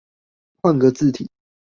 換個字體